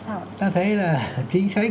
chúng ta thấy là chính sách